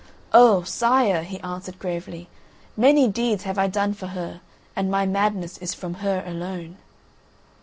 "O! Sire," he answered gravely, "many deeds have I done for her, and my madness is from her alone."